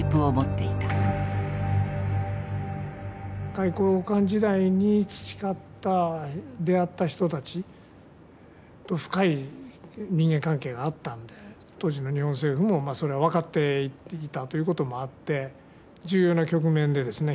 外交官時代に培った出会った人たちと深い人間関係があったんで当時の日本政府もそれは分かっていたということもあって重要な局面でですね